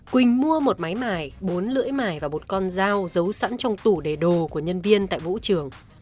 quỳnh mua một máy mài bốn lưỡi mài và một con dao giấu sẵn trong tủ để đồ của nhân viên tại vũ trường